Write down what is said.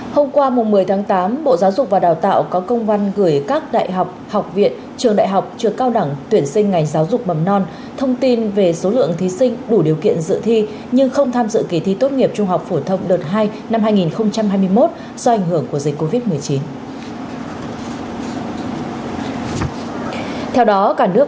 hôm qua một mươi tháng tám bộ giáo dục và đào tạo có công văn gửi các đại học học viện trường đại học trường cao đẳng tuyển sinh ngành giáo dục mầm non thông tin về số lượng thí sinh đủ điều kiện dự thi nhưng không tham dự kỳ thi tốt nghiệp trung học phổ thông đợt hai năm hai nghìn hai mươi một do ảnh hưởng của dịch covid một mươi chín